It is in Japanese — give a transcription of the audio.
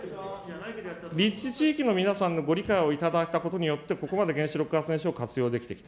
立地地域の皆さんのご理解をいただいたことによって、ここまで原子力発電所を活用できてきた。